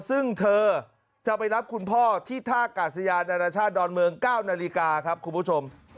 ซึ่งเธอจะไปรับคุณพ่อที่ท่ากาศยานานาชาติดอนเมือง๙นาฬิกาครับคุณผู้ชม